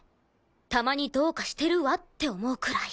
たまにどうかしてるわって思うくらい。